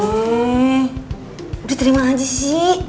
udah terima aja sih